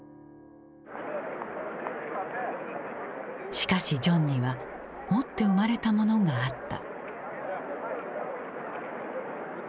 しかしジョンには持って生まれたものがあった。